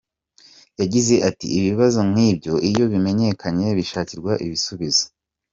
Yagize ati "Ibibazo nk’ibyo iyo bimenyekanye bishakirwa ibisubizo.